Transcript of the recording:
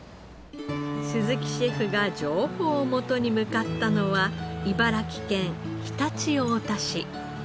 鈴木シェフが情報を元に向かったのは茨城県常陸太田市。